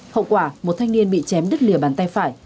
hậu quả một thanh niên bị chém đứt lìa bàn tay phải